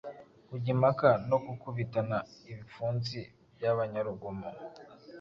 kujya impaka no gukubitana ibipfunsi by’abanyarugomo.”